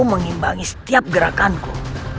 aku mengimbangi setiap gerakanku